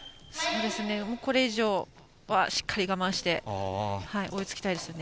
これ以上はしっかり我慢して追いつきたいですね。